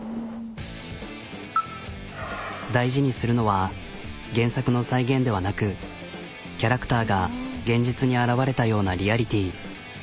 大事にするのは原作の再現ではなくキャラクターが現実に現れたようなリアリティー。